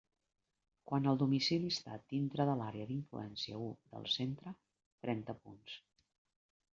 Quan el domicili està dintre de l'àrea d'influència u del centre: trenta punts.